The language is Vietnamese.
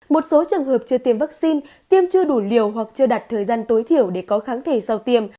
một số trường hợp chưa tiêm vaccine tiêm chưa đủ liều hoặc chưa đặt thời gian tối thiểu để có kháng thể sau tiêm